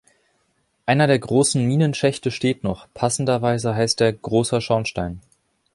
Einer der großen Minenschächte steht noch, passenderweise heißt er „Großer Schornstein“.